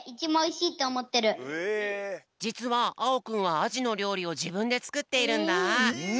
じつはあおくんはアジのりょうりをじぶんでつくっているんだ。